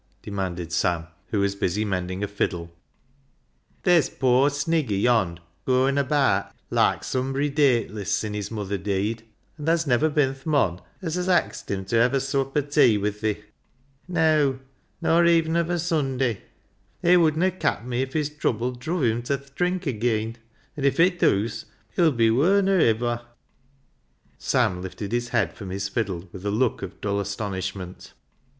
demanded Sam, who was busy mending a fiddle. " Ther's poor Sniggy yond', goin' abaat loike sumbry dateliss sin' his muther deed, an' tha's niver bin th' mon az hes axed him ta hev' a sooap o' tay wi' thi'. Neaw, nor even of a Sunday. It wodna cap me if his trubbel druv him ta th' drink ageean ; an' if it dooas, he'll be wur nor iver." Sam lifted his head from his fiddle with a look of dull astonishment.